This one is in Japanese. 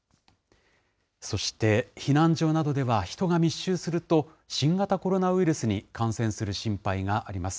そして、避難所などでは人が密集すると、新型コロナウイルスに感染する心配があります。